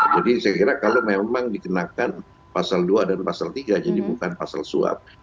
jadi saya kira kalau memang dikenakan pasal dua dan pasal tiga jadi bukan pasal suap